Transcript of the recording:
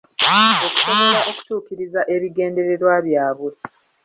Okusobola okutuukiriza ebigendererwa byabwe.